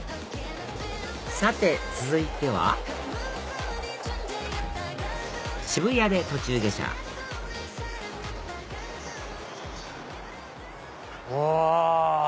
さて続いては渋谷で途中下車うわ！